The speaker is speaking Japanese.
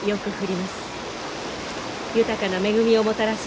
豊かな恵みをもたらす